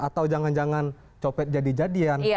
atau jangan jangan copet jadi jadian